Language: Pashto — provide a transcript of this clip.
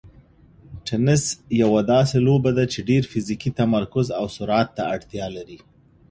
تېنس یوه داسې لوبه ده چې ډېر فزیکي تمرکز او سرعت ته اړتیا لري.